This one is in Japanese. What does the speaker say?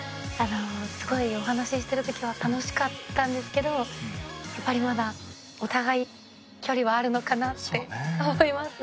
すごいお話ししてる時は楽しかったんですけどやっぱりまだお互い距離はあるのかなって思いますね。